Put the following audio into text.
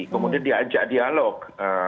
kemudian diajak dialog